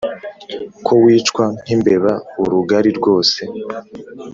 ko wicwa nk’imbeba urugari rwose